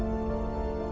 saya tidak tahu